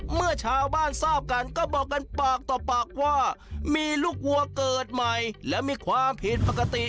เมื่อชาวบ้านทราบกันก็บอกกันปากต่อปากว่ามีลูกวัวเกิดใหม่และมีความผิดปกติ